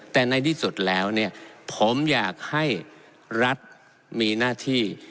แต่ในที่สุดแล้วเนี่ยผมอยากให้รัฐมีหน้าที่